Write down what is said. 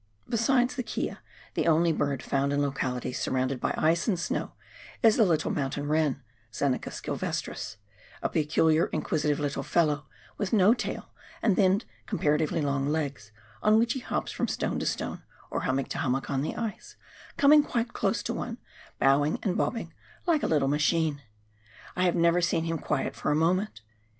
Besides the kea, the only bird found in localities surrounded by ice and snow, is the little mountain wren {Xeniciis gikiveniris), a peculiar, inquisitive little fellow, with no tail, and thin, comparatively long legs, on which he hops from stone to stone, or hummock to hummock on the ice, coming quite close to one, bowing and bobbing like a little machine. I have never seen him quiet for a moment.